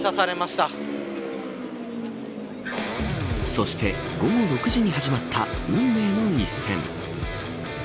そして午後６時に始まった運命の一戦。